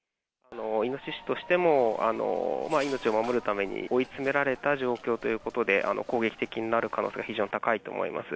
イノシシとしても、命を守るために、追い詰められた状況ということで、攻撃的になる可能性が非常に高いと思います。